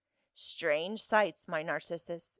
" Strange sights, my Narcissus.